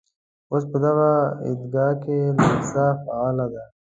اوس په دغه عیدګاه کې لېسه فعاله ده.